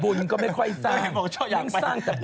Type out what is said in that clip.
บุญก็ไม่ค่อยสร้างถึงสร้างแต่บาป